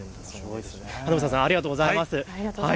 英さん、ありがとうございます。